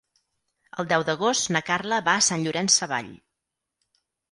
El deu d'agost na Carla va a Sant Llorenç Savall.